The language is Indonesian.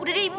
udah deh ibu